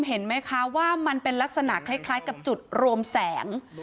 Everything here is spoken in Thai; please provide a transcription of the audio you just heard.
เห็นไหมคะว่ามันเป็นลักษณะคล้ายกับจุดรวมแสง